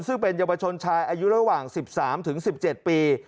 ซึ่งเป็นเยาวชนชายอายุระหว่าง๑๓๑๗ปี